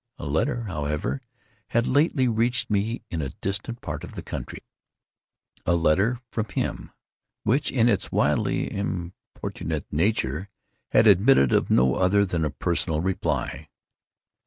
A letter, however, had lately reached me in a distant part of the country—a letter from him—which, in its wildly importunate nature, had admitted of no other than a personal reply.